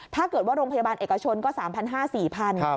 ถ้าเกิดว่าโรงพยาบาลเอกชนก็๓๕๐๐๔๐๐บาท